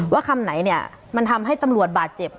คำไหนเนี่ยมันทำให้ตำรวจบาดเจ็บ